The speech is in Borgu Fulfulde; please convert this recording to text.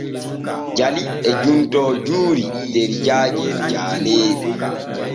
Jalli e juntoo juuri der jaajel jaaneeri.